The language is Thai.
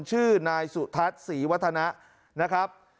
ชื่อนายสุทัศน์ศรีวัฒนะนะครับ